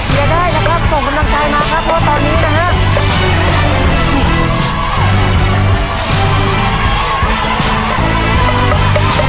มาแล้วนะแม่นะเดี๋ยวได้นะครับส่งกำลังใจมาครับ